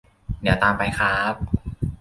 เดี๋ยวตามไปค้าบ !